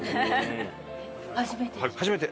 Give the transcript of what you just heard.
初めて？